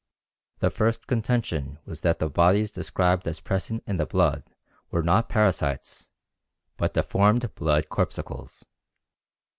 The first contention was that the bodies described as present in the blood were not parasites, but deformed blood corpuscles.